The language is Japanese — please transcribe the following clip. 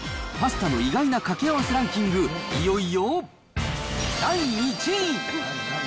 パスタの意外な掛け合わせランキング、いよいよ第１位。